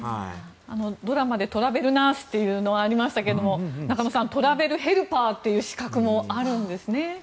ドラマで「トラベルナース」というのがありましたが中野さんトラベルヘルパーという資格もあるんですね。